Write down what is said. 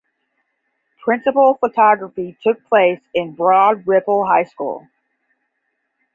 Principal photography took place in Broad Ripple High School.